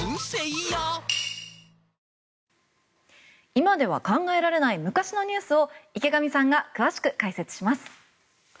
今では考えられない昔のニュースを池上さんが詳しく解説します。